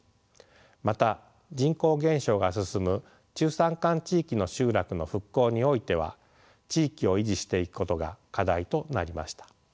また人口減少が進む中山間地域の集落の復興においては地域を維持していくことが課題となりました。